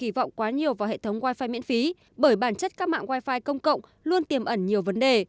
hãy đừng kỳ vọng quá nhiều vào hệ thống wifi miễn phí bởi bản chất các mạng wifi công cộng luôn tiềm ẩn nhiều vấn đề